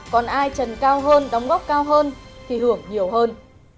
còn ai trần cao hơn đóng góp cao hơn thì hưởng nhiều hơn